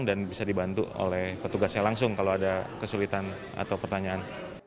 dan bisa dibantu oleh petugas saya langsung kalau ada kesulitan atau pertanyaan